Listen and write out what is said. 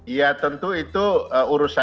ya tentu itu urusannya